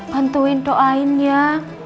bantuin doain ya